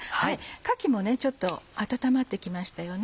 かきもちょっと温まってきましたよね。